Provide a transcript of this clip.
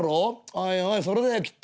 おいおいそれだよきっと。